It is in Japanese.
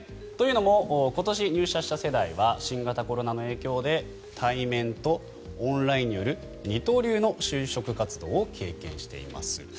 というのも今年入社した世代は新型コロナの影響で対面とオンラインによる二刀流の就職活動を経験しています。